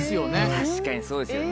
確かにそうですよね。